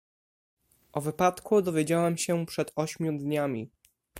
"O wypadku dowiedziałam się przed ośmiu dniami."